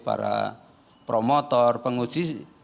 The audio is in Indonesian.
para promotor penguji